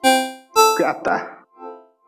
Kwihataha.